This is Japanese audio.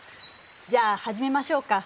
じゃあはじめましょうか。